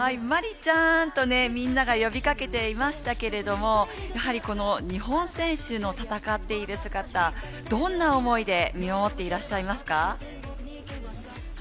麻里ちゃんとみんなが呼びかけていましたけどやはりこの日本選手の戦っている姿どんな思いで見守っていらっしゃいますか？